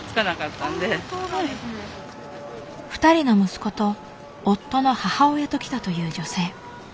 ２人の息子と夫の母親と来たという女性。